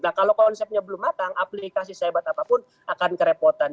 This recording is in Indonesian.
nah kalau konsepnya belum matang aplikasi sehebat apapun akan kerepotan